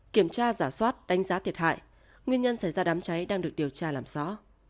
kiểm tra giả soát đánh giá thiệt hại nguyên nhân xảy ra đám cháy đang được điều tra làm rõ